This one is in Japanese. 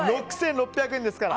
６６００円ですから。